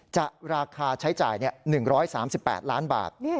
ราคาใช้จ่าย๑๓๘ล้านบาท